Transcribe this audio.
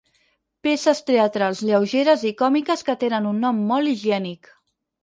Peces teatrals lleugeres i còmiques que tenen un nom molt higiènic.